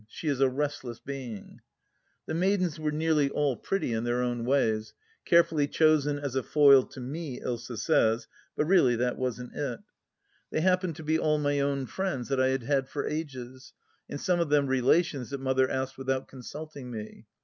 She is a restless being. The maidens were nearly all pretty, in their own ways— carefully chosen as a foil to me, Ilsa says, but really that wasn't it. They happened to be all my own friends that I had had for ages, and some of them relations that Mother asked without consulting me.